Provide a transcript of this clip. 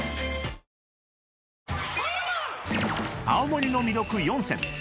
［青森の魅力４選！